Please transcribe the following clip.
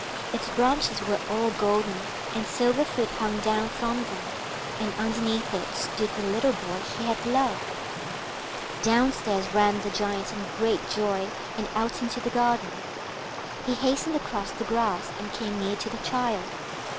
Its branches were all golden, and silver fruit hung down from them, and underneath it stood the little boy he had loved. Downstairs ran the Giant in great joy, and out into the garden. He hastened across the grass, and came near to the child.